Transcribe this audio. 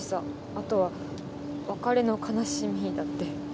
あとは「別れの悲しみ」だって。